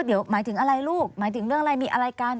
เดี๋ยวหมายถึงอะไรลูกหมายถึงเรื่องอะไรมีอะไรกัน